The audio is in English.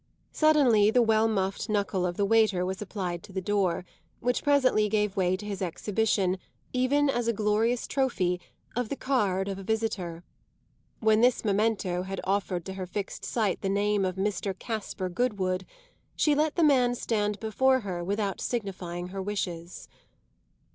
Suddenly the well muffed knuckle of the waiter was applied to the door, which presently gave way to his exhibition, even as a glorious trophy, of the card of a visitor. When this memento had offered to her fixed sight the name of Mr. Caspar Goodwood she let the man stand before her without signifying her wishes.